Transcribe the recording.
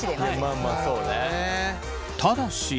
ただし。